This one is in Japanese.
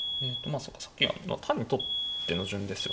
まあそうかさっきは単に取っての順ですよね。